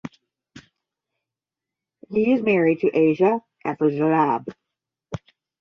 He is married to Asia Afrasiab.